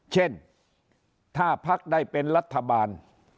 เช่นถ้าพักได้เป็นรัฐบาล